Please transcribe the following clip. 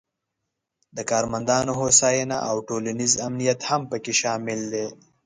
د کارمندانو هوساینه او ټولنیز امنیت هم پکې شامل دي.